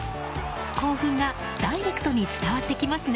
興奮がダイレクトに伝わってきますね。